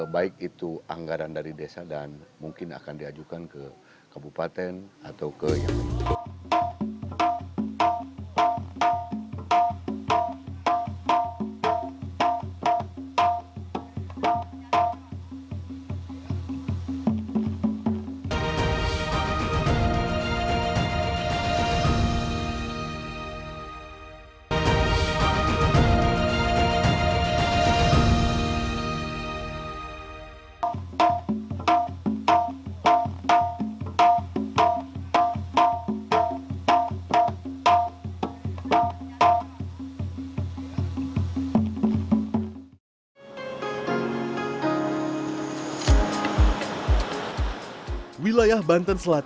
baik itu anggaran dari desa dan mungkin akan diajukan ke kabupaten atau ke